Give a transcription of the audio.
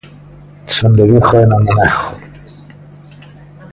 Son de Vigo e non o nego